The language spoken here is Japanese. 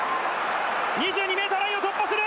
２２ｍラインを突破する！